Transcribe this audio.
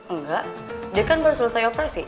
enggak dia kan baru selesai operasi